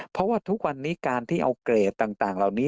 เพราะว่าทุกวันนี้การที่เอาเกรดต่างเหล่านี้